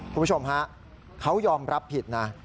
คุณผู้ชมฮะเขายอมรับผิดนะ